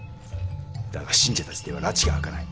だが信者たちでは埒が明かない。